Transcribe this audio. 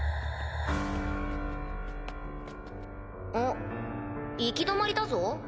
ん行き止まりだぞ？